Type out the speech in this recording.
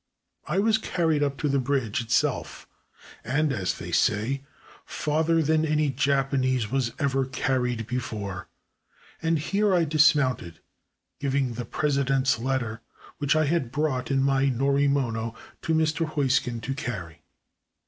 I was carried up to the bridge itself; and, as they say, farther than a Japanese was ever carried before, and here I dismounted, giving the Presi dent's letter, which I had brought in my norimono, to Mr. Heusken to carry.